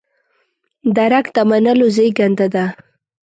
درک د منلو زېږنده ده.